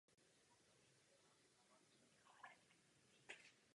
Patří do vnějších Západních Karpat do podcelku Západních Beskyd.